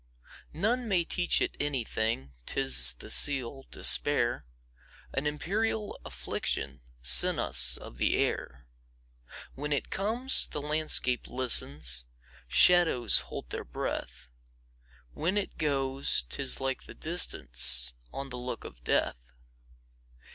None may teach it anything,'T is the seal, despair,—An imperial afflictionSent us of the air. When it comes, the landscape listens, Shadows hold their breath; When it goes, 't is like the distanceOn the look of death.